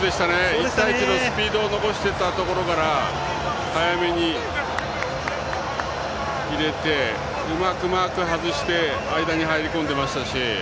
１対１のスピードを残していたところから早めに入れてうまくマークを外して間に入り込んでいましたし。